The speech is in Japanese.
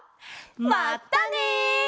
まったね！